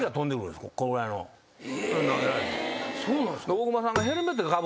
大熊さんが。